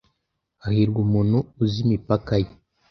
Hahirwa umuntu uzi imipaka ye.